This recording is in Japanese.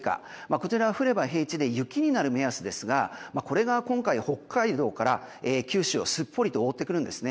こちらは降れば平地で雪になる目安ですがこれが今回、北海道から九州をすっぽりと覆ってくるんですね。